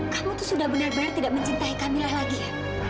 kamu tuh sudah benar benar tidak mencintai kamilah lagi ya